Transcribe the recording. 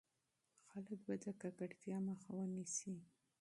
خلک به د ککړتيا مخه ونيسي.